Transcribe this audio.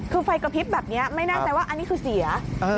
คือไฟกระพริบแบบนี้ไม่แน่ใจว่าอันนี้คือเสีย